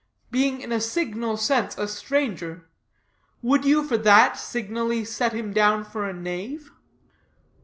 Being in a signal sense a stranger, would you, for that, signally set him down for a knave?"